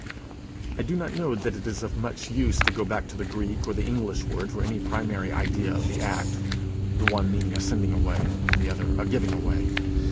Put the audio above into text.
I do not know that it is of much use to go back to the Greek or the English word for any primary idea of the act the one meaning a sending away, the other, a giving away.